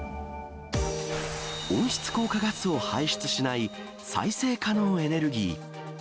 温室効果ガスを排出しない、再生可能エネルギー。